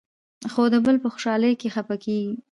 خو د بل په خوشالۍ کې خفه کېږي.